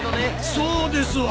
そうですわ。